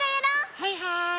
はいはい。